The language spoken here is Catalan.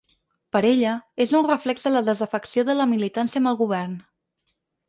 Per ella, és un reflex de la “desafecció” de la militància amb el govern.